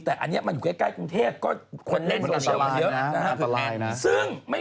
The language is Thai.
แต่อันนี้มันอยู่ใกล้วันกรุงเทศ